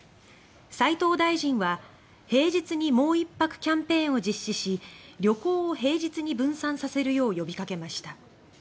斎藤大臣は平日にもう一泊キャンペーンを実施し、旅行を平日に分散させるよう呼びかけました。